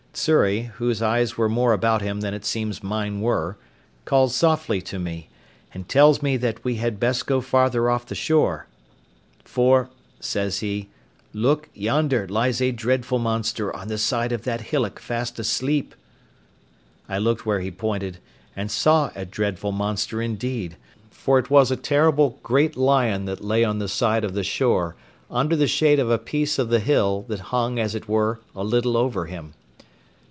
Xury, whose eyes were more about him than it seems mine were, calls softly to me, and tells me that we had best go farther off the shore; "For," says he, "look, yonder lies a dreadful monster on the side of that hillock, fast asleep." I looked where he pointed, and saw a dreadful monster indeed, for it was a terrible, great lion that lay on the side of the shore, under the shade of a piece of the hill that hung as it were a little over him.